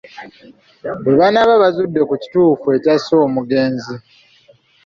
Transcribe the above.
Bwe banaaba bazudde ku kituufu ekyasse omugenzi.